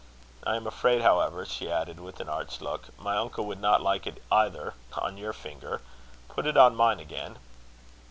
I am afraid, however," she added, with an arch look, "my uncle would not like it either on your finger. Put it on mine again."